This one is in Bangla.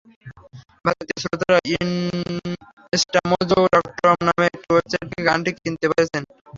ভারতীয় শ্রোতারা ইনস্টামোজো ডটকম নামের একটি ওয়েবসাইট থেকে গানটি কিনতে পারছেন।